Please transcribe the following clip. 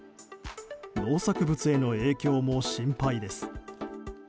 農作物への影響も心配です。